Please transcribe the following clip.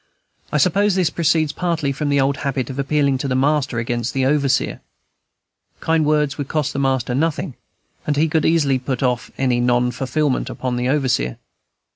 I suppose this proceeds partly from the old habit of appealing to the master against the overseer. Kind words would cost the master nothing, and he could easily put off any non fulfilment upon the overseer.